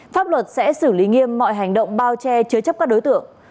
pháp luật sẽ xử lý nghiêm mọi hành động bao che chứa chấp các đối tượng